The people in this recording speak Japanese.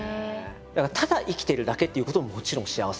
ただ生きてるだけっていうことももちろん幸せ。